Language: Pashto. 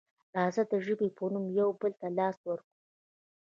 راځه د ژبې په نوم یو بل ته لاس ورکړو.